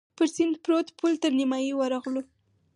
پر سیند پروت پل تر نیمايي ورغلو.